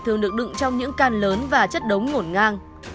thường được đựng trong những can lớn và chất đống ngổn ngang